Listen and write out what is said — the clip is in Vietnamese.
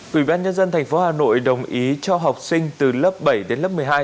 quỹ ban nhân dân tp hà nội đồng ý cho học sinh từ lớp bảy đến lớp một mươi hai